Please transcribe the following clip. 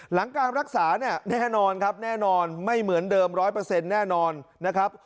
หลังการรักษาเนี่ยแน่นอนครับแน่นอนไม่เหมือนเดิม๑๐๐แน่นอนนะครับ